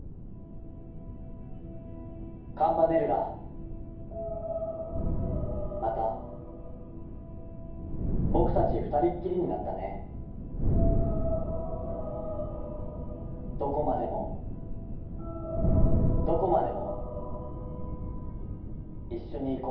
「『カムパネルラ、また僕たち二人っきりになったねえ、どこまでもどこまでも一緒に行かう。